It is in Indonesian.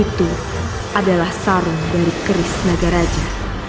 itu adalah sarung dari keris naga raja